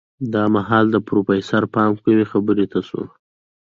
دا مهال د پروفيسر پام کومې خبرې ته شو.